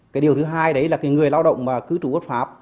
cái điều thứ hai đấy là cái người lao động mà cư trụ quốc pháp